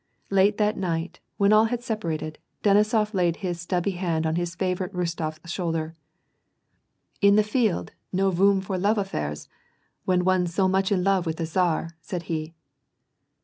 Late that night, when all had separated, Denisof laid his stabby hand on his favorite Rostof's shoulder, —*' In the field, no woom for love affairs, when one's so much in love with the tsar !" said he.